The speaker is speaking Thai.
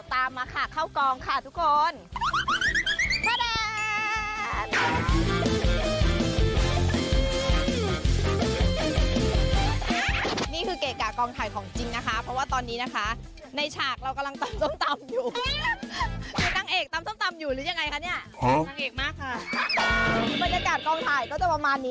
ตามมาค่ะเข้ากองค่ะทุกคน